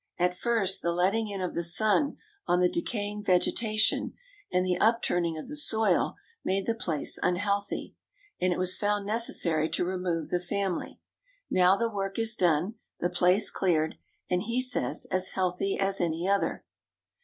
At first, the letting in of the sun on the decaying vegetation, and the upturning of the soil, made the place unhealthy; and it was found necessary to remove the family. Now the work is done, the place cleared, and, he says, as healthy as any other.